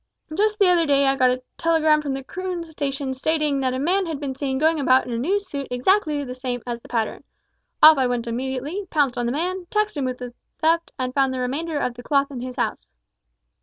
Just the other day I got a telegram from Croon station stating that a man had been seen going about in a new suit exactly the same as the pattern. Off I went immediately, pounced on the man, taxed him with the theft, and found the remainder of the cloth in his house."